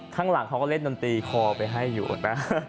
ข้างหลังเขาก็เล่นดนตรีคอไปให้อยู่เห็นไหม